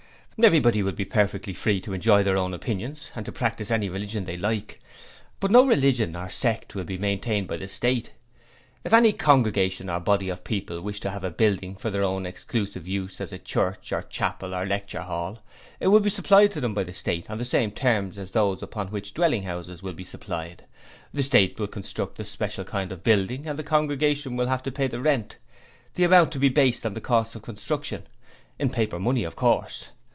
'Everybody will be perfectly free to enjoy their own opinions and to practise any religion they like; but no religion or sect will be maintained by the State. If any congregation or body of people wish to have a building for their own exclusive use as a church or chapel or lecture hall it will be supplied to them by the State on the same terms as those upon which dwelling houses will be supplied; the State will construct the special kind of building and the congregation will have to pay the rent, the amount to be based on the cost of construction, in paper money of course.